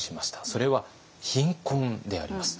それは貧困であります。